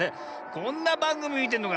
こんなばんぐみみてんのか。